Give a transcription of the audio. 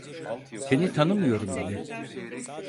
Seni tanımıyorum bile.